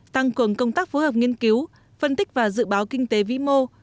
tăng cường công tác phối hợp nghiên cứu phân tích và dự báo kinh tế vĩ mô